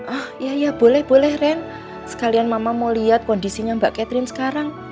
ah iya boleh boleh ren sekalian mama mau lihat kondisinya mbak catherine sekarang